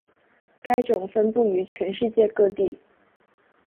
该种分布于全世界各地。